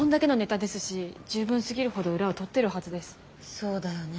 そうだよね。